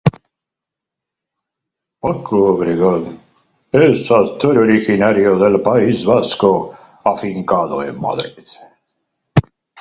Paco Obregón es un actor originario del País Vasco afincado en Madrid.